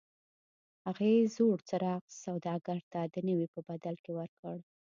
هغې زوړ څراغ سوداګر ته د نوي په بدل کې ورکړ.